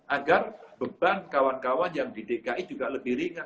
agar beban kawan kawan yang di dki juga lebih ringan